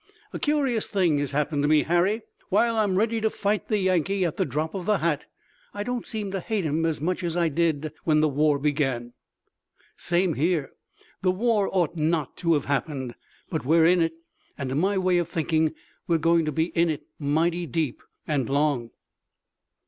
A curious thing has happened to me, Harry. While I'm ready to fight the Yankee at the drop of the hat I don't seem to hate 'em as much as I did when the war began." "Same here. The war ought not to have happened, but we're in it, and to my way of thinking we're going to be in it mighty deep and long."